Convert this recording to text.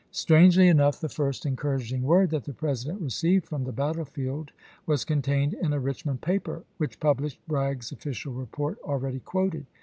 Strangely enough the first encouraging word that the President received from the battlefield was contained in a Richmond paper, ^Tsea.^^' which published Bragg's official report already voi. kxx. quoted.